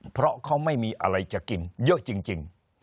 เพราะเขาไม่มีอะไรจะกินเยอะจริง